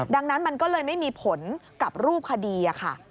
ดังนั้นมันก็เลยไม่มีผลกับรูปคดีค่ะ